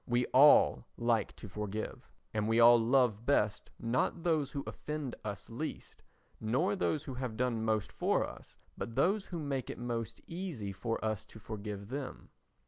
We all like to forgive, and we all love best not those who offend us least, nor those who have done most for us, but those who make it most easy for us to forgive them.